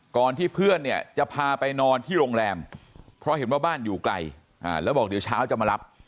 ก่อนที่เพื่อนเนี่ยจะพาไปนอนที่โรงแรมเพราะเห็นว่าบ้านอยู่ไกลแล้วบอกเดี๋ยวเช้าจะมารับ